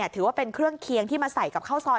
ถือว่าเป็นเครื่องเคียงที่มาใส่กับข้าวซอย